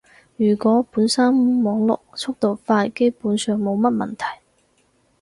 如果本身網絡速度快，基本上冇乜問題